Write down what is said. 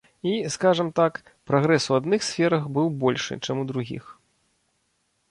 І, скажам так, прагрэс у адных сферах быў большы, чым у другіх.